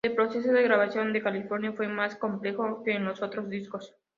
El proceso de grabación de California fue más complejo que en los otros discos.